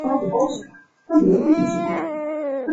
山崎大辉是日本静冈县出生的男性演员和电视艺人。